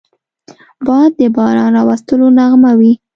باد د باران راوستلو نغمه وي